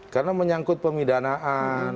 karena menyangkut pemidanaan